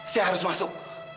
saya harus masuk